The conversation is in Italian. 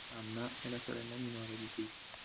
Hannah è la sorella minore di Sid.